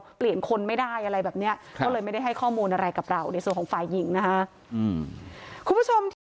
เปลี่ยนคนไม่ได้อะไรแบบนี้ก็เลยไม่ได้ให้ข้อมูลอะไรกับเราในส่วนของฝ่ายหญิงนะฮะ